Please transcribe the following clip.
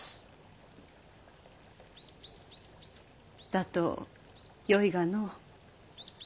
だとよいがの。